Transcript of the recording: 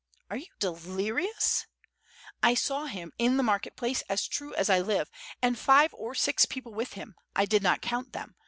"Are you delirious?" "I saw him in the market place as true as I live, and five or six people with him. I did not count them.